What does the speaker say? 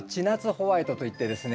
ホワイトといってですね